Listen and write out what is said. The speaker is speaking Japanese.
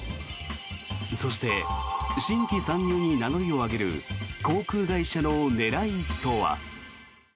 そして新規参入に名乗りを上げる航空会社の狙いとは。